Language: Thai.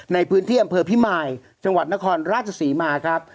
ในพื้นที่อำเภอพิมายจังหวัดนครราชศรีมาครับ